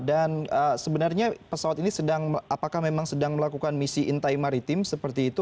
dan sebenarnya pesawat ini apakah memang sedang melakukan misi intai maritim seperti itu